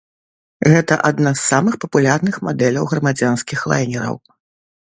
Гэта адна з самых папулярных мадэляў грамадзянскіх лайнераў.